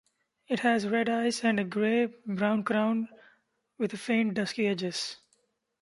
It has red eyes and a grey-brown crown with faint dusky edges.